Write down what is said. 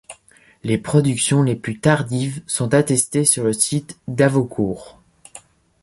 Les productions les plus tardives sont attestées sur le site d'Avocourt.